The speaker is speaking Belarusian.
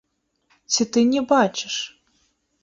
Ці ты не бачыш?